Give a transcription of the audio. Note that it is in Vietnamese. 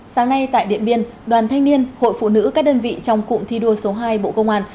sáng nay tại điện biên đoàn thanh niên hội phụ nữ các đơn vị trong cụm thi đua số hai bộ công an